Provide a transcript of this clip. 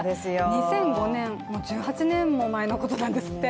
２００５年、１８年も前のことなんですって。